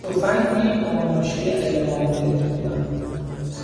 تفنگی با ماشهی غیر قابل اطمینان